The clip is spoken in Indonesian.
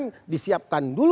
nah sekarang disiapkan dulu